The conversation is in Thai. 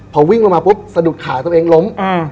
พอวิ่งลงมาปุ๊บสะดุดขาตัวเองล้ม